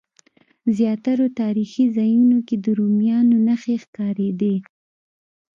زیاترو تاریخي ځایونو کې د رومیانو نښې ښکارېدې.